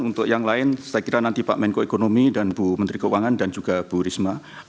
untuk yang lain saya kira nanti pak menko ekonomi dan bu menteri keuangan dan juga bu risma